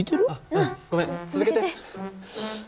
うんごめん続けて。